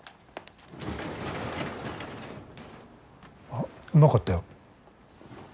あっうまかったよ。